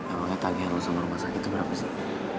emangnya tagi yang lo sama rumah sakit itu berapa sih